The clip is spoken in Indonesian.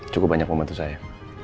cukup banyak membantu saya